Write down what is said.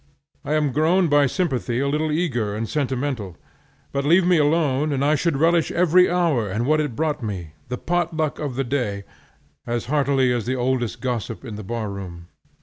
I am grown by sympathy a little eager and sentimental, but leave me alone and I should relish every hour and what it brought me, the potluck of the day, as heartily as the oldest gossip in the bar room.